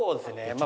まあ。